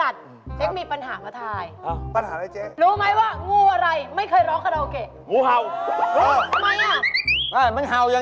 รู้ไหมว่างู้อะไรไม่เคยรอบกันเรา